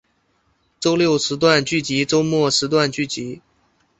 周六时段剧集周末时段剧集